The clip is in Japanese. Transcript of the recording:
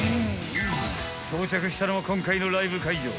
［到着したのは今回のライブ会場